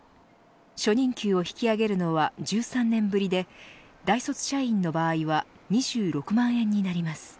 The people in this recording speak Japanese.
初任給を引き上げるのは１３年ぶりで大卒社員の場合は２６万円になります。